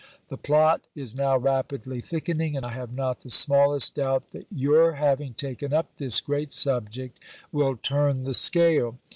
The plot is now rapidly thickening, and I have not the smallest doubt that your having taken up this great subject will turn the scale.